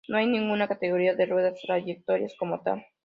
No hay ninguna categoría de "ruedas tractoras" como tal.